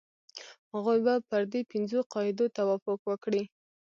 هغوی به پر دې پنځو قاعدو توافق وکړي.